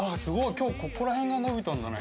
今日ここら辺が伸びたんだね。